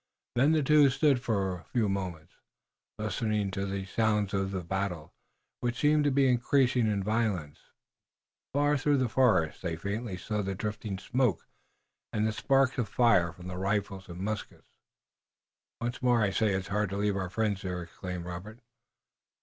Then the two stood for a few moments, listening to the sounds of the battle, which seemed to be increasing in violence. Far through the forest they faintly saw the drifting smoke and the sparks of fire from the rifles and muskets. "Once more I say it's hard to leave our friends there," exclaimed Robert.